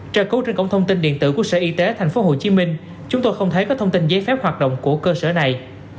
tra cứu trên cổng thông tin điện tử của sở y tế tp hcm chúng tôi không thấy có thông tin giấy phép hoạt động của cơ sở này